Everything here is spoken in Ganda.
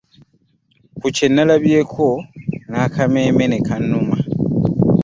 Ku kyenalabyeko n'akameeme nekanumma .